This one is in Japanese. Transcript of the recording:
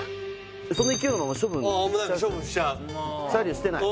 その勢いのまま処分再利用してない？